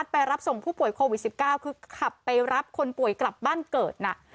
ไปรับส่งผู้ป่วยโควิด๑๙คือขับไปรับคนป่วยกลับบ้านเกิดน่ะ